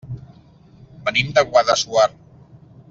Venim de Guadassuar.